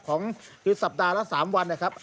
ของคือสัปดาห์ละ๓วันนะครับ